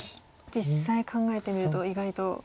実際考えてみると意外と。